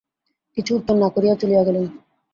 কিছু উত্তর না করিয়া চলিয়া গেলেন।